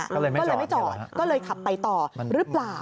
ก็เลยไม่จอดก็เลยขับไปต่อหรือเปล่า